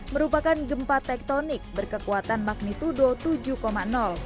merupakan gempa tektonik berkekuatan magnitudo tujuh